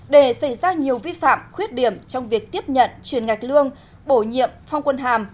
để xảy ra nhiều vi phạm khuyết điểm trong việc tiếp nhận truyền ngạch lương bổ nhiệm phong quân hàm